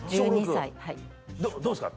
どうですか？